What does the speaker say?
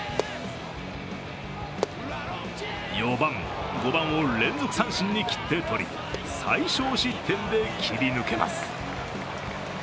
４番、５番を連続三振に切ってとり最少失点で切り抜けます。